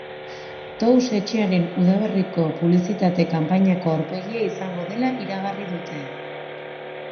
Tous etxearen udaberriko publizitate kanpainako aurpegia izango dela iragarri dute.